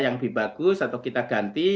yang lebih bagus atau kita ganti